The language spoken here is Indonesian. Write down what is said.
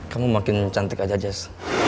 kamu makin cantik aja jazz